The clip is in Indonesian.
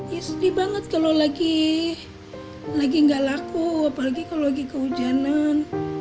ya sedih banget kalau lagi nggak laku apalagi kalau lagi kehujanan